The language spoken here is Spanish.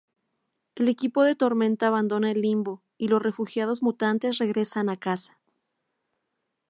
El equipo de Tormenta abandona el Limbo y los refugiados mutantes regresan a casa.